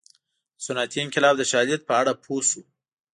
د صنعتي انقلاب د شالید په اړه پوه شو.